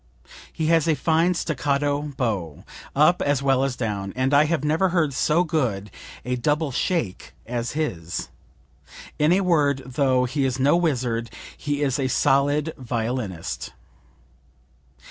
He has a fine staccato bow, up as well as down; and I have never heard so good a double shake as his. In a word, though he is no wizard he is a solid violinist."